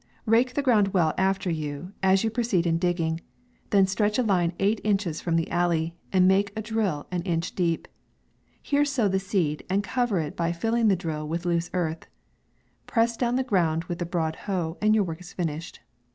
Rake the ground well after you as you proceed in digging; then stretch a line eight inches from the alley, and make a drill an inch deep ; here sow the seed, and cover it by filling the drill with loose earth ; press down the ground with the broad hoe, and your work is finished.